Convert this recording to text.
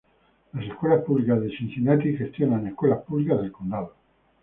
Las Escuelas Públicas de Cincinnati gestiona escuelas públicas del condado.